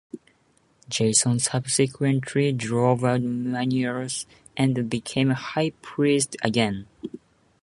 Jason subsequently drove out Menelaus and became High Priest again.